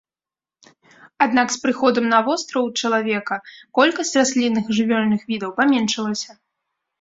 Аднак з прыходам на востраў чалавека колькасць раслінных і жывёльных відаў паменшылася.